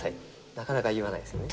なかなか言わないですよね。